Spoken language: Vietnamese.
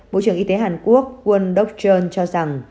bộ trưởng y tế hàn quốc won dok cheon cho rằng